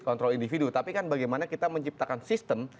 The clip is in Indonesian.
kontrol individu tapi kan bagaimana kita menciptakan sistem